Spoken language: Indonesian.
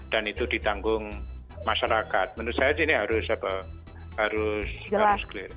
dan itu ditanggung masyarakat menurut saya ini harus jelas